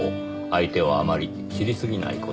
相手をあまり知りすぎないこと。